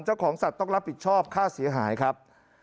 เจ้าของสัตว์ต้องรับผิดชอบค่าเสียหายครับ